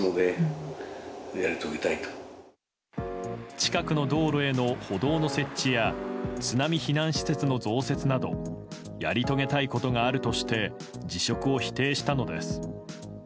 近くの道路への歩道の設置や津波避難施設の増設などやり遂げたいことがあるとして辞職を否定したのです。